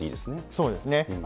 そうですね。